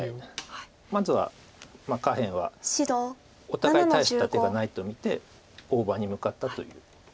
お互い大した手がないと見て大場に向かったという。